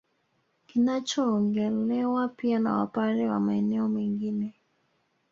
Kinachoongelewa pia na Wapare wa maeneo mengine